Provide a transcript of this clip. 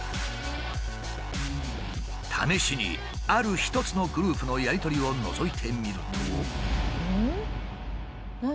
試しにある一つのグループのやり取りをのぞいてみると。